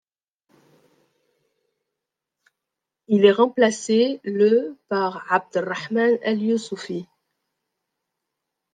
Il est remplacé le par Abderrahman el-Youssoufi.